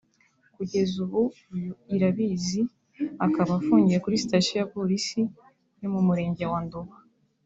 Kugeza ubu uyu Irabizi i akaba afungiye kuri Sitasiyo ya Polisi yo mu Murenge wa Nduba